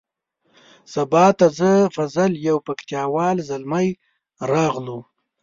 سبا ته زه فضل یو پکتیا وال زلمی راغلو.